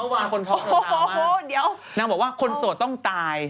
โอ้โฮเดี๋ยวนางว่าคนโสดต้องตาย